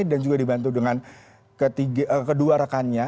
juga dibantu dengan kedua rekannya